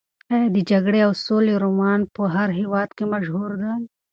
ایا د جګړې او سولې رومان په هر هېواد کې مشهور دی؟